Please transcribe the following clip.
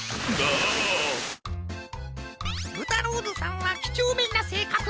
ぶたローズさんはきちょうめんなせいかく！